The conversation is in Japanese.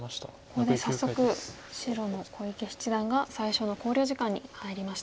ここで早速白の小池七段が最初の考慮時間に入りました。